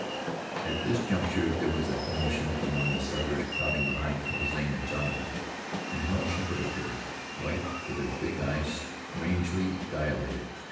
At this juncture there was a commotion among the settlers crowding behind Colonel Zane and Jonathan, and Helen Sheppard appeared, white, with her big eyes strangely dilated.